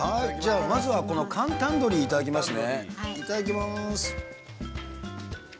まずは「かんタンドリー」いただきますね。